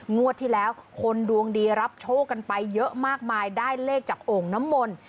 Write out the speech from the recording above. งวดที่แล้วคนดวงดีรับโชคกันไปเยอะมากมายได้เลขจากโอ่งน้ำมนต์